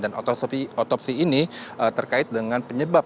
dan otopsi ini terkait dengan penyebab